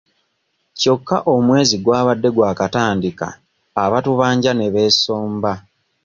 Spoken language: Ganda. Kyokka omwezi gw'abadde gwakatandika abatubanja ne beesomba.